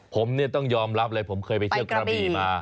ผมเนี่ยต้องยอมรับเลยผมเคยไปเที่ยวกระบี่มา